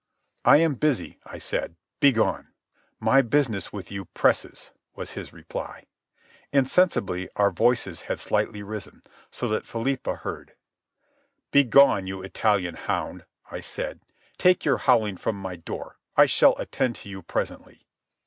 "I am busy," I said. "Begone." "My business with you presses," was his reply. Insensibly our voices had slightly risen, so that Philippa heard. "Begone, you Italian hound," I said. "Take your howling from my door. I shall attend to you presently."